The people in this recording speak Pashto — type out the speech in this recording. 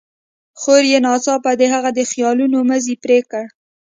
خور يې ناڅاپه د هغه د خيالونو مزی پرې کړ.